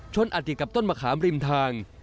อาจติดกับต้นมะขามริมทาง